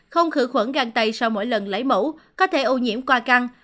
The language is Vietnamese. không khử khuẩn găng tay sau mỗi lần lấy mẫu có thể ưu nhiễm qua căng